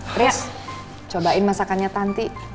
haris cobain masakannya tanti